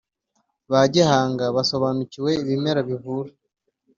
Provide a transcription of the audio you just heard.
Ba gihanga basobanukiwe ibimera bivura